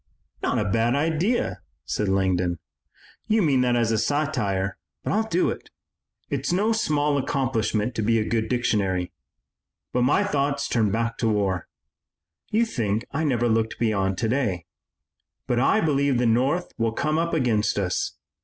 '" "Not a bad idea," said Langdon. "You mean that as satire, but I'll do it. It's no small accomplishment to be a good dictionary. But my thoughts turn back to war. You think I never look beyond today, but I believe the North will come up against us.